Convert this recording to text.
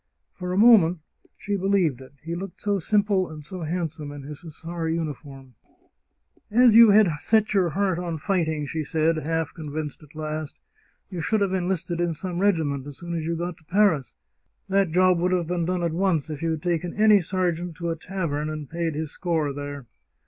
For a moment she believed it — he looked so simple and was so handsome in his hussar uniform !" As you had set your heart on fighting," she said, half convinced at last, " you should have enlisted in some regi ment as soon as you got to Paris. That job would have been done at once if you had taken any sergeant to a tavern and paid his score there."